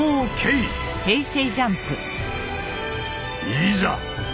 いざ！